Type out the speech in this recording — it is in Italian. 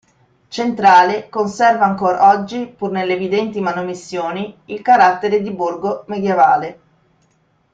Centrale conserva ancor oggi, pur nelle evidenti manomissioni, il carattere di borgo medioevale.